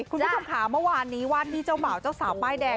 คุณผู้ชมค่ะเมื่อวานนี้วาดที่เจ้าบ่าวเจ้าสาวป้ายแดง